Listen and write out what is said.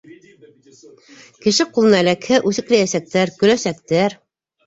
Кеше ҡулына эләкһә, үсекләйәсәктәр, көләсәктәр.